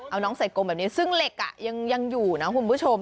เอาน้องใส่กลมแบบนี้ซึ่งเหล็กยังอยู่นะคุณผู้ชม